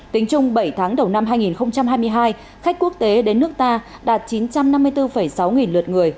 tính chung bảy tháng đầu năm hai nghìn hai mươi hai khách quốc tế đến nước ta đạt chín trăm năm mươi bốn sáu nghìn lượt người